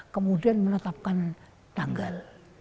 kemudian menetapkan tanggal